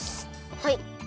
はい。